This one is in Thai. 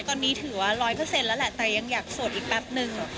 ตอนนี้ถือว่าร้อยเปอร์เซ็นต์แล้วแหละแต่ยังอยากโสดอีกแป๊บนึง